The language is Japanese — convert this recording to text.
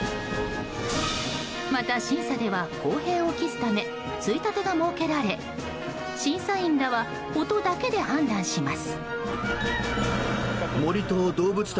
また審査では、公平を期すため衝立が設けられ審査員らは音だけで判断します。